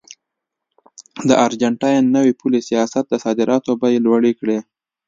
د ارجنټاین نوي پولي سیاست د صادراتو بیې لوړې کړې.